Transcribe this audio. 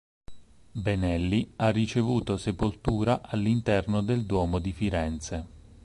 Benelli ha ricevuto sepoltura all'interno del Duomo di Firenze.